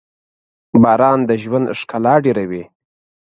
• باران د ژوند ښکلا ډېروي.